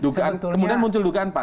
kemudian muncul dugaan pak